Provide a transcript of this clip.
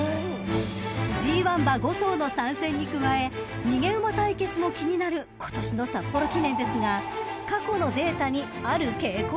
［ＧⅠ馬５頭の参戦に加え逃げ馬対決も気になる今年の札幌記念ですが過去のデータにある傾向が］